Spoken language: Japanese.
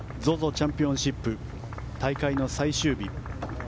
チャンピオンシップ大会の最終日。